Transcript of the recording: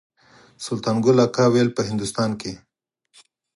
سلطان ګل اکا ویل په هندوستان کې.